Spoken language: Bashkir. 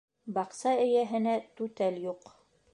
Баҡса эйәһенә түтәл юҡ.